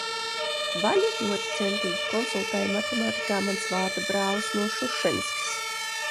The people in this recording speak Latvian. Vaļu ļoti centīgi konsultēja matemātikā mans vārdabrālis no Šušenskas.